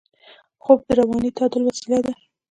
خوب د رواني تعادل وسیله ده